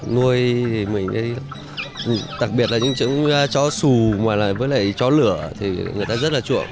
nuôi mình đặc biệt là những chú chó xù chó lửa thì người ta rất là chuộng